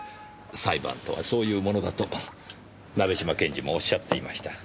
裁判とはそういうものだと鍋島検事もおっしゃっていました。